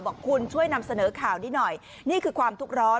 บอกคุณช่วยนำเสนอข่าวนี้หน่อยนี่คือความทุกข์ร้อน